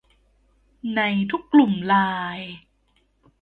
ในทุกกลุ่มไลน์